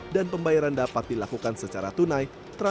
dan pembayaran dapat dilakukan secara tunai